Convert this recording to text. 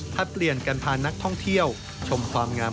พัดเปลี่ยนกันผ่านนักท่องเที่ยวชมความงาม